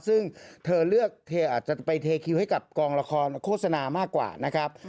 ซึ่งเธอเลือกเธออาจจะไปเทคิวให้กับกองละครโฆษณามากกว่านะครับ